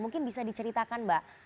mungkin bisa diceritakan mbak